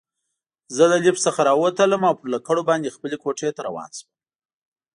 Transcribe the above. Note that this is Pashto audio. زه له لفټ څخه راووتلم او پر لکړو باندې خپلې کوټې ته روان شوم.